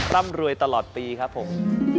ร่ำรวยตลอดปีครับผม